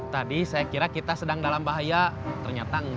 tadi saya kira kita sedang dalam bahaya ternyata enggak